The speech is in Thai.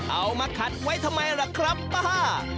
เอามาขัดไว้ทำไมล่ะครับป้า